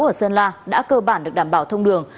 ở sơn la đã cơ bản được đảm bảo thông đường